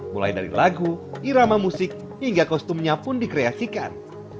mulai dari lagu irama musik hingga kostumnya pun dikreasikan